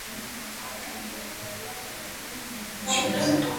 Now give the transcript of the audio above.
შესრულების მიხედვით განასხვავებენ ინდივიდუალურ და კოლექტიურ ნიმუშებს.